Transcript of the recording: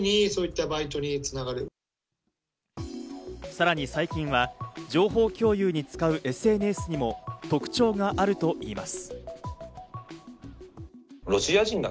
さらに最近は、情報共有に使うＳＮＳにも特徴があるといいます。